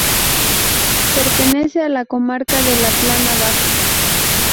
Pertenece a la comarca de la Plana Baja.